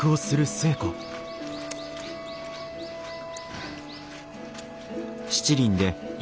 はあ。